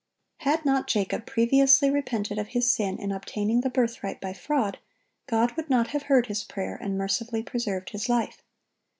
Had not Jacob previously repented of his sin in obtaining the birthright by fraud, God would not have heard his prayer and mercifully preserved his life.